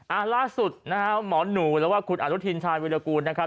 อ่าล่าสุดนะฮะหมอหนูแล้วก็คุณอนุทินชายวิรากูลนะครับ